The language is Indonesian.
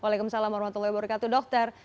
waalaikumsalam warahmatullahi wabarakatuh dokter